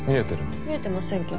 見えてませんけど。